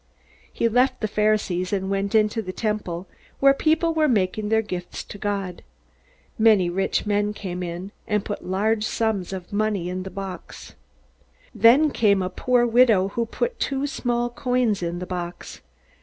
He left the Pharisees and went into the Temple, where people were making their gifts to God. Many rich men came in, and put large sums of money in the money box. Then came a poor widow who put two small coins into the box.